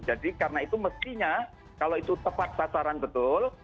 jadi karena itu mestinya kalau itu tepat sasaran betul